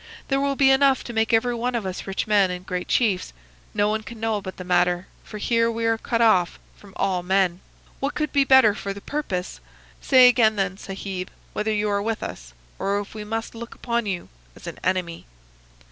There will be enough to make every one of us rich men and great chiefs. No one can know about the matter, for here we are cut off from all men. What could be better for the purpose? Say again, then, Sahib, whether you are with us, or if we must look upon you as an enemy.